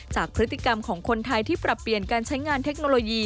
จากพฤติกรรมของคนไทยที่ปรับเปลี่ยนการใช้งานเทคโนโลยี